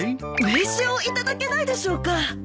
名刺を頂けないでしょうか？